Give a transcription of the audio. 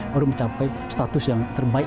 baru mencapai status yang terbaik